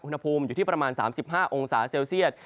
อุณหภูมิอยู่ที่ประมาณ๓๕องศาเซลเซียต